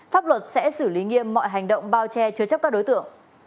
pháp luật sẽ xử lý nghiêm mọi hành động bao che chứa chấp các đối tượng